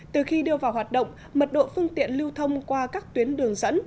từ khi đưa vào hoạt động mật độ phương tiện lưu thông qua các tuyến đường dẫn